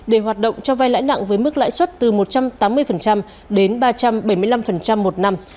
để hoạt động cho vai lãi nặng với mức lãi suất từ một trăm tám mươi đến ba trăm bảy mươi năm một năm